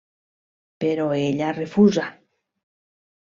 Però ella refusa.